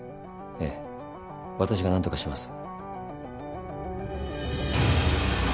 ええ私が何とかします。